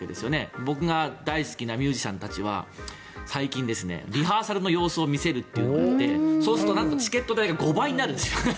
僕が大好きなミュージシャンたちは最近、リハーサルの様子を見せていてそうするとチケット代が５倍になる。